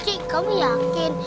c kau yakin